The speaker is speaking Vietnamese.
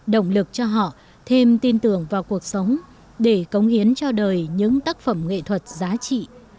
động lực cho họ thêm tin tưởng vào cuộc sống để cống hiến cho đời những tác phẩm nghệ thuật giá trị